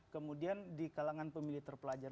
kemudian di kalangan pemilih terpelajar